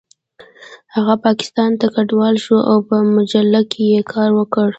هغه پاکستان ته کډوال شو او په مجله کې یې کار وکړ